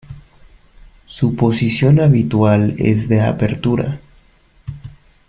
Su posición habitual es de apertura.